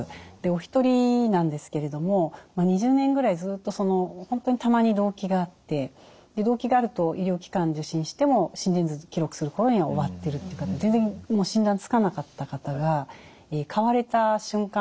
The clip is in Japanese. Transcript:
お一人なんですけれども２０年ぐらいずっと本当にたまに動悸があって動悸があると医療機関受診しても心電図記録する頃には終わってるっていう方全然診断つかなかった方が買われた瞬間